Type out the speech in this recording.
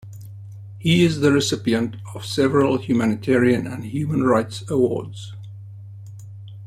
He is the recipient of several humanitarian and human rights awards.